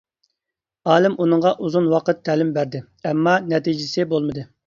ئالىم ئۇنىڭغا ئۇزاق ۋاقىت تەلىم بەردى، ئەمما نەتىجىسى بولمىدى.